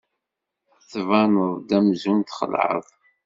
Tbaneḍ-d amzun txelɛeḍ.